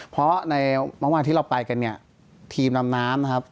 เพราะในบางวันที่เราไปกันทีมนำน้ำนะครับ